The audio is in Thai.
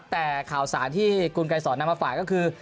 แต่ข่าวสารที่คุณไกรสอนนำมาฝากก็คือ